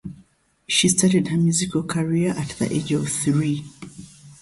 She started her musical career at the age of three.